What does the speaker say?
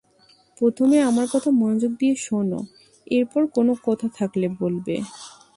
প্রথমে আমার কথা মনোযোগ দিয়ে শোন এরপর কোন কথা থাকলে বলবে।